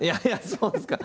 そうですか？